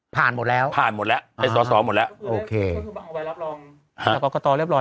ผ่านหมดแล้วสอสอหมดแล้ว